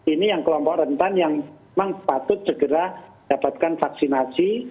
ini yang kelompok rentan yang memang patut segera dapatkan vaksinasi